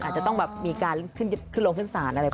อาจจะต้องแบบมีการขึ้นลงขึ้นศาลอะไรประมาณนั้น